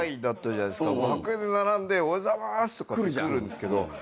楽屋で並んでおはようございますとかって来るんですけど。